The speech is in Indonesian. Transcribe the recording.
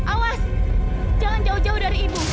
awas jangan jauh jauh dari ibu